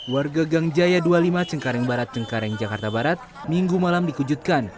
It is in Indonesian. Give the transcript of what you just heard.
warga gang jaya dua puluh lima cengkareng barat cengkareng jakarta barat minggu malam dikujudkan